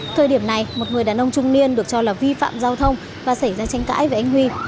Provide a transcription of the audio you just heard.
thời điểm này một người đàn ông trung niên được cho là vi phạm giao thông và xảy ra tranh cãi với anh huy